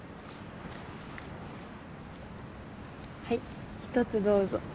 はい１つどうぞ。